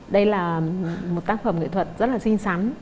đây là một tác phẩm nghệ thuật rất là xinh xắn